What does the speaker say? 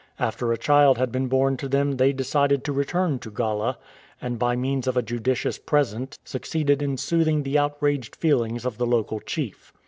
After a child had been born to them they decided to return to Gala, and by means of a judicious present succeeded in soothing the outraged feelings of the local chief.